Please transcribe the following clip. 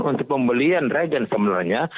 untuk pembelian reagent semuanya